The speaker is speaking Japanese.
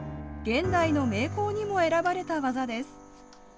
現代の名工にも選ばれた技です。